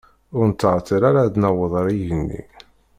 Ur nettɛeṭṭil ara ad naweḍ ar igenni.